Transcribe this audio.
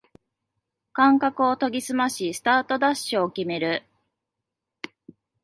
感覚を研ぎすましスタートダッシュを決める